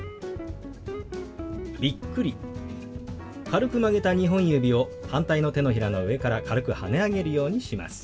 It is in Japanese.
軽く曲げた２本指を反対の手のひらの上から軽くはね上げるようにします。